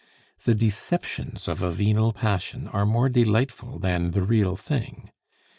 The deceptions of a venal passion are more delightful than the real thing.